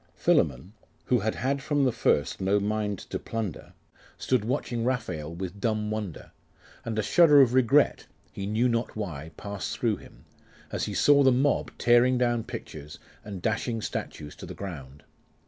Philammon, who had had from the first no mind to plunder, stood watching Raphael with dumb wonder; and a shudder of regret, he knew not why, passed through him, as he Saw the mob tearing down pictures, and dashing statues to the ground.